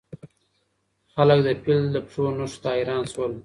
خلګ د فیل د پښو نښو ته حیران سول.